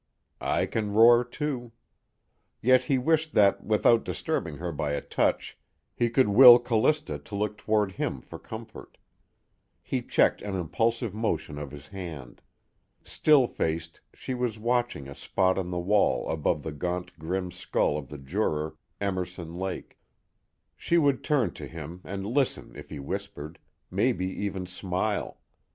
I can roar, too. Yet he wished that without disturbing her by a touch he could will Callista to look toward him for comfort. He checked an impulsive motion of his hand. Still faced, she was watching a spot on the wall above the gaunt grim skull of the juror Emerson Lake. She would turn to him and listen if he whispered, maybe even smile.